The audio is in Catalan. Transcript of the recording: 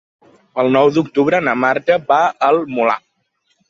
El nou d'octubre na Marta va al Molar.